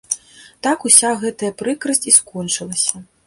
Так уся гэтая прыкрасць і скончылася.